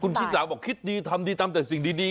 คุณพี่สาวบอกคิดดีทำดีตามแต่สิ่งดี